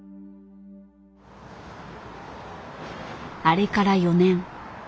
あれから４年。